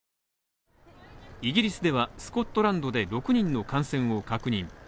イギリスでは、スコットランドで６人の感染を確認。